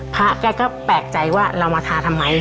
แกก็แปลกใจว่าเรามาทาทำไม